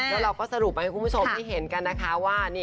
แล้วเราก็สรุปมาให้คุณผู้ชมได้เห็นกันนะคะว่า